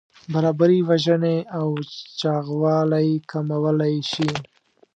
برابري وژنې او چاغوالی کمولی شي.